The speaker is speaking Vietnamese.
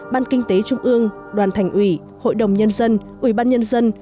ban kinh tế trung ương đoàn thành ủy hội đồng nhân dân ủy ban nhân dân